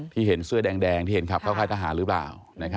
เห็นเสื้อแดงที่เห็นขับเข้าค่ายทหารหรือเปล่า